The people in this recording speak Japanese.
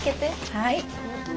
はい。